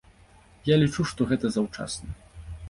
Я лічу, што гэта заўчасна.